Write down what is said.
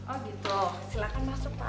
oh gitu silahkan masuk pak